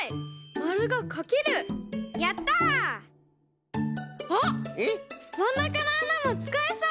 まんなかのあなもつかえそう！